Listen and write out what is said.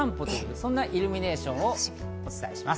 そんなイルミネーションをお伝えします。